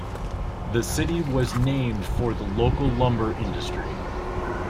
The city was named for the local lumber industry.